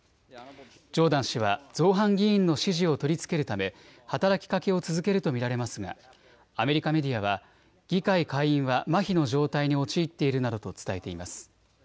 ジョーダン氏は造反議員の支持を取り付けるため働きかけを続けると見られますがアメリカメディアは議会下院はまひの状態に陥っているなどと伝えています。